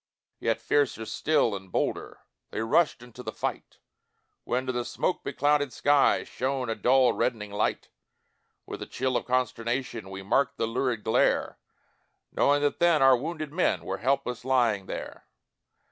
Yet fiercer still and bolder They rushed into the fight When to the smoke beclouded sky Shone a dull reddening light: With a chill of consternation We marked the lurid glare, Knowing that then our wounded men Were helpless lying there.